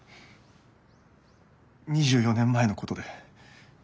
２４年前のことで。